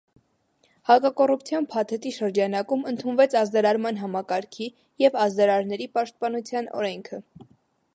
Հակակոռուպցիոն փաթեթի շրջանակում ընդունվեց ազդարարման համակարգի և ազդարարների պաշտպանության օրենքը: